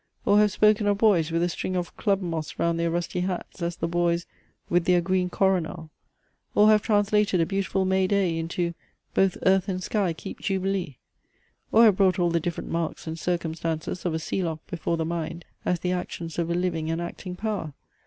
or have spoken of boys with a string of club moss round their rusty hats, as the boys "with their green coronal?" or have translated a beautiful May day into "Both earth and sky keep jubilee!" or have brought all the different marks and circumstances of a sealoch before the mind, as the actions of a living and acting power?